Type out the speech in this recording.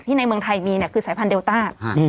ในเมืองไทยมีคือสายพันธุเดลต้า